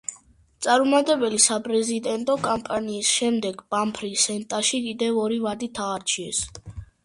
წარუმატებელი საპრეზიდენტო კამპანიი შემდეგ ჰამფრი სენატში კიდევ ორი ვადით აირჩიეს.